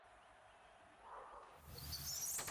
航班延遲了怎麼辦